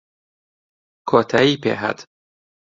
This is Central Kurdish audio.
کۆتایی پێ هات